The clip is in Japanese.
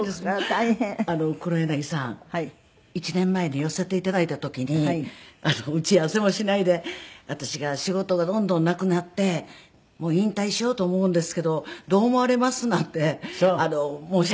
１年前に寄せて頂いた時に打ち合わせもしないで私が仕事がどんどんなくなってもう引退しようと思うんですけどどう思われます？なんて申し上げたんですよ。